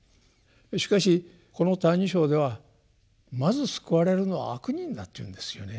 しかしこの「歎異抄」ではまず救われるのは「悪人」だと言うんですよね。